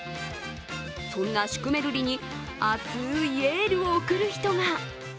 そんなシュクメルリに熱いエールを送る人が。